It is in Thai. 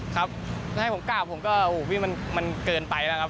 ครับจะให้ผมกล้าบผมก็โหมันเกินไปแล้วครับ